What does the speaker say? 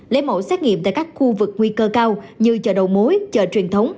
lấy mẫu xét nghiệm tại các khu vực nguy cơ cao như chợ đầu mối chợ truyền thống